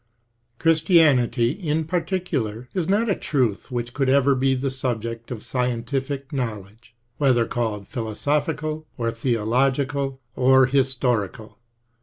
Christianity, in particular, is not a truth which could ever be the subject of scientific knowledge, whether called philo sophical or theological or historical.